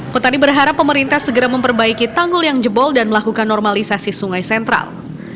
petani berharap pemerintah segera memperbaiki tanggul yang jebol dan melakukan normalisasi sungai sentral